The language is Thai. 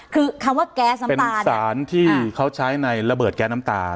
คือคำว่าแก๊สมันเป็นสารที่เขาใช้ในระเบิดแก๊สน้ำตา